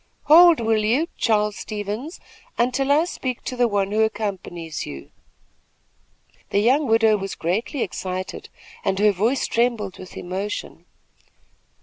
"Hold, will you, Charles Stevens, until I speak to the one who accompanies you." The young widow was greatly excited, and her voice trembled with emotion.